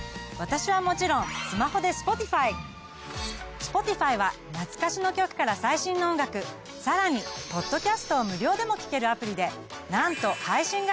Ｓｐｏｔｉｆｙは懐かしの曲から最新の音楽さらにポッドキャストを無料でも聞けるアプリでなんと配信楽曲は邦楽含め８，０００万